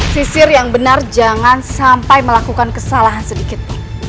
sisir yang benar jangan sampai melakukan kesalahan sedikit